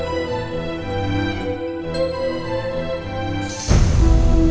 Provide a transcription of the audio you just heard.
sampai jumpa lagi